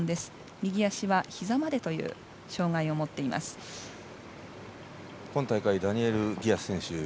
右足はひざまでという今大会ダニエル・ディアス選手